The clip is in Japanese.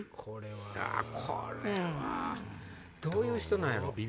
これはな。どういう人なんやろ？